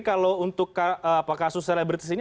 kalau untuk kasus selebritis ini